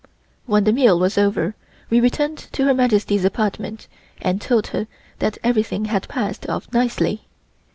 When the meal was over we returned to Her Majesty's apartment and told her that everything had passed off nicely.